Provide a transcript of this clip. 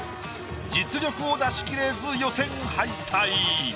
実力を出しきれず予選敗退。